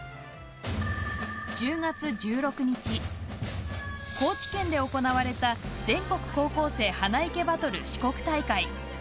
１０月１６日高知県で行われた全国高校生花いけバトル四国大会。